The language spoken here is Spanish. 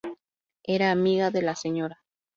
Era amiga de la Sra.